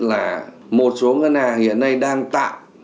là một số ngân hàng hiện nay đang tạm